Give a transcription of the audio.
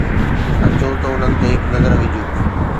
اچو ته انهن تي هڪ نظر وجهون.